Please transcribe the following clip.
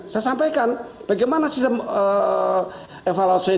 saya sampaikan bagaimana sistem evaluasi